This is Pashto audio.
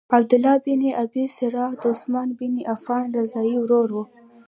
عبدالله بن ابی سرح د عثمان بن عفان رضاعی ورور وو.